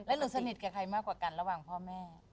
แล้วหนูสนิทกับใครมากกว่ากันระหว่างพ่อแม่